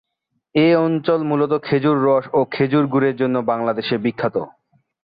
এ অঞ্চল মূলত খেজুর রস ও খেজুর গুড়ের জন্য বাংলাদেশে বিখ্যাত।